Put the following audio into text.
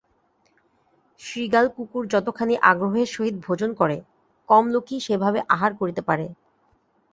শৃগাল-কুকুর যতখানি আগ্রহের সহিত ভোজন করে, কম লোকই সেভাবে আহার করিতে পারে।